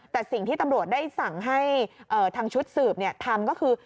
แต่สิ่งที่ตำรวจได้สั่งให้ทางชุดสืบทำก็คือ